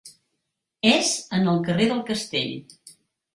És en el carrer del Castell.